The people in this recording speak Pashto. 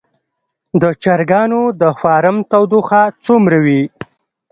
د چرګانو د فارم تودوخه څومره وي؟